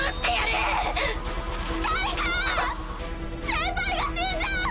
先輩が死んじゃう！